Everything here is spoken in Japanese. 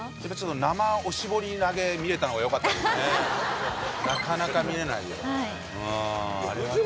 生おしぼり投げ見れたのがよかったですねなかなか見れないよ